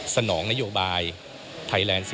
นองนโยบายไทยแลนด์๔๐